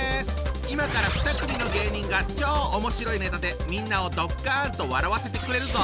今から２組の芸人が超おもしろいネタでみんなをドッカンと笑わせてくれるぞ！